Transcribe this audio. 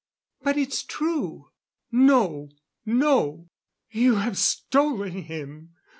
"But it's true." "No! No! You have stolen him!